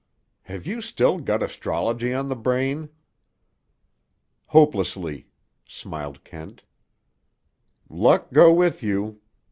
"Have you still got astrology on the brain?" "Hopelessly," smiled Kent. "Luck go with you.